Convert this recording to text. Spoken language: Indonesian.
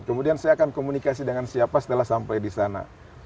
kemudian saya akan komunikasi dengan siapa setelah sampai di sana